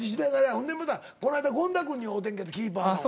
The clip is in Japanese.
ほんでまたこの間権田君に会うてんけどキーパーの。